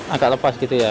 agak lepas gitu ya